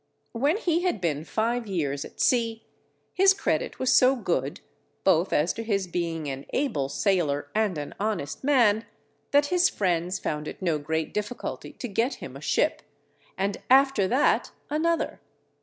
When he had been five years at sea, his credit was so good, both as to his being an able sailor and an honest man, that his friends found it no great difficulty to get him a ship, and after that another.